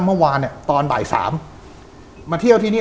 เมื่อวาน๓๔๐๐นมาเที่ยวที่นี่